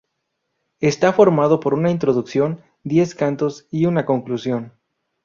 Está formado por una introducción, diez cantos y una conclusión.